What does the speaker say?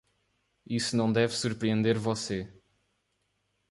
Isso não deve surpreender você.